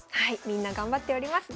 みんな頑張っております。